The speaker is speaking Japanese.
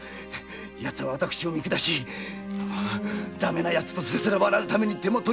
やつは私を見下しダメなヤツとせせら笑うために手もとに。